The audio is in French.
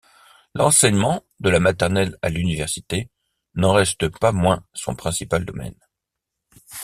L’enseignement, de la maternelle à l’Université, n’en reste pas moins son principal domaine.